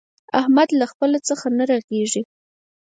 احمده! له خپله څخه نه رغېږي.